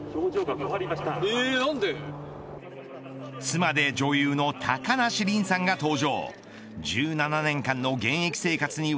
妻で女優の高梨臨さんが登場。